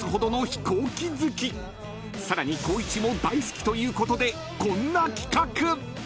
［さらに光一も大好きということでこんな企画！］